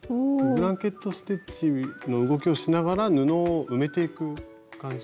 ブランケット・ステッチの動きをしながら布を埋めていく感じ。